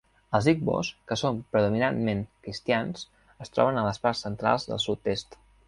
Els igbos, que són predominantment cristians, es troben a les parts centrals del sud-est.